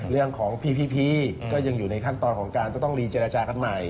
เรื่องของพี่ก็ยังอยู่ในขั้นตอนของการก็ต้องรีเจรจากันใหม่